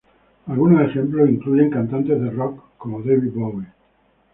Algunos ejemplos incluyen cantantes de rock como David Bowie.